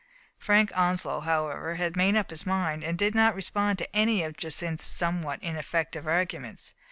Frank Onslow, however, had made up his mind, and did not respond to any of Jacynth's somewhat ineffective arguments.